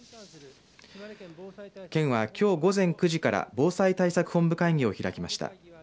県は、きょう午前９時から防災対策本部会議を開きました。